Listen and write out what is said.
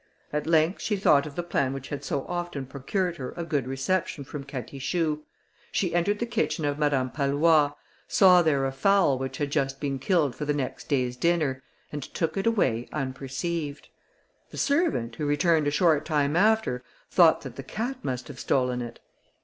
At length she thought of the plan which had so often procured her a good reception from Catichou. She entered the kitchen of Madame Pallois, saw there a fowl which had just been killed for the next day's dinner, and took it away unperceived. The servant, who returned a short time after, thought that the cat must have stolen it.